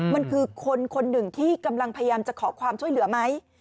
มันคือคนคนหนึ่งที่กำลังพยายามจะขอความช่วยเหลือไหม